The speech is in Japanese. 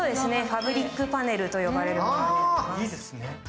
ファブリックパネルと呼ばれるものです。